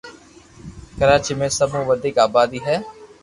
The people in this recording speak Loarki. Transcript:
ڪراچي ۾ سب مون وديڪ آبادي ھي